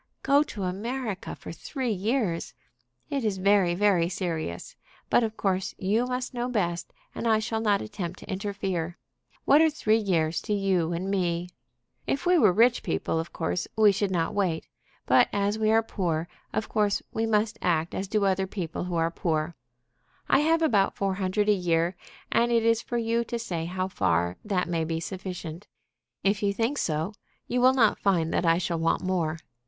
"Go to America for three years! It is very, very serious. But of course you must know best, and I shall not attempt to interfere. What are three years to you and me? If we were rich people, of course we should not wait; but as we are poor, of course we must act as do other people who are poor. I have about four hundred a year; and it is for you to say how far that may be sufficient. If you think so, you will not find that I shall want more.